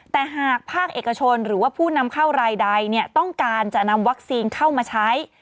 แต่หากภาคเอกชนหรือว่าผู้นำเข้ารายใดต้องการจะนำวัคซีนเข้ามาใช้